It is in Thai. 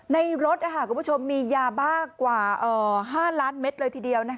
ในรถมียามากกว่า๕ล้านเมตรเลยทีเดียว